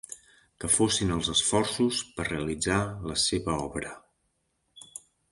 Que fossin els esforços, per realitzar la seva obra